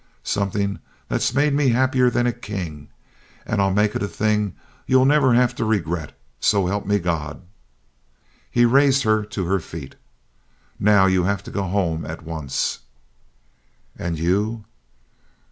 "Something that's made me happier than a king. And I'll make it a thing you'll never have to regret, so help me God!" He raised her to her feet. "Now you have to go home at once." "And you?"